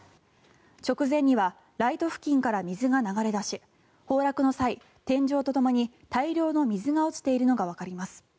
直前にはライト付近から水が流れ出し崩落の際、天井とともに大量の水が落ちているのがわかります。